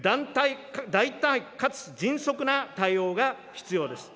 大胆かつ迅速な対応が必要です。